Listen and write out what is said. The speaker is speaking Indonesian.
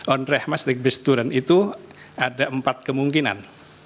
ondrehmatik bisturen itu ada empat kemungkinan